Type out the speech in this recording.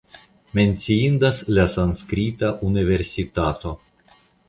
Menciindas la sanskrita universitato.